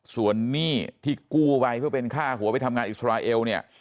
ส่วนหนี้ที่กู้ไปเพื่อเป็นค่าหัวไปทำงานอิสราเอลเนี่ย